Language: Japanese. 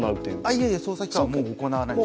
いえいえ、捜査機関もう行わないです。